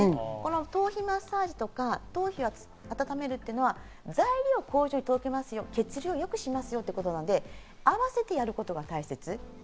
頭皮マッサージとか頭皮を温めるのは、材料を工場に届けますよ、血流をよくしますよってことなので、合わせてやることが大切。